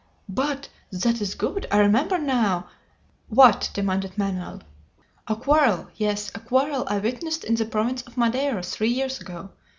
"But that is good! I remember now " "What?" demanded Manoel. "A quarrel! Yes! a quarrel I witnessed in the province of Madeira three years ago.